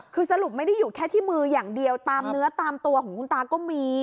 คือสรุปไม่ได้อยู่แค่ที่มืออย่างเดียวตามเนื้อตามตัวของคุณตาก็มี